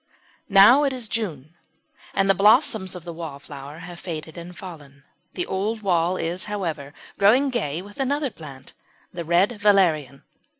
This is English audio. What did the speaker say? ] Now it is June, and the blossoms of the Wallflower have faded and fallen. The old wall is, however, growing gay with another plant the Red Valerian.